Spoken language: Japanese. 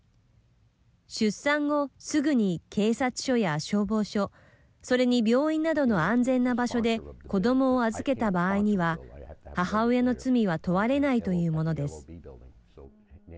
出産後、すぐに警察署や消防署それに病院などの安全な場所で子どもを預けた場合には母親の罪は問われないというものです。